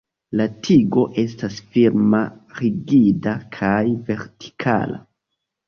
La tigo estas firma rigida kaj vertikala.